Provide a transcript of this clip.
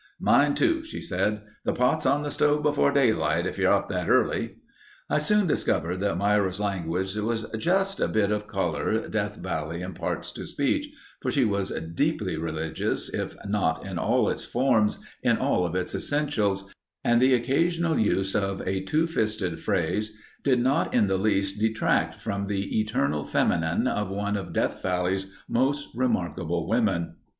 "Mine too," she said. "The pot's on the stove before daylight, if you're up that early." I soon discovered that Myra's language was just a bit of color Death Valley imparts to speech, for she was deeply religious if not in all its forms, in all of its essentials and the occasional use of a two fisted phrase did not in the least detract from the eternal feminine of one of Death Valley's most remarkable women.